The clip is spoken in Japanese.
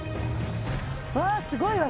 うわぁすごいわ。